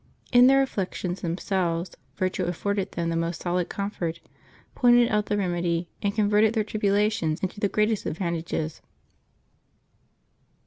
In their afflictions themselves virtue affonded them the most solid comfort, pointed out the remedy, and converted their tribulations into the great est advantac^es.